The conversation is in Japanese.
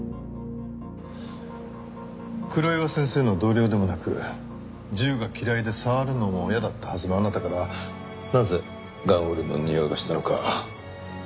黒岩先生の同僚でもなく銃が嫌いで触るのも嫌だったはずのあなたからなぜガンオイルのにおいがしたのか？